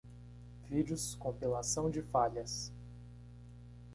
Vídeos compilação de falhas.